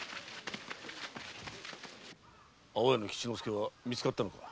安房屋の吉之助は見つかったのか？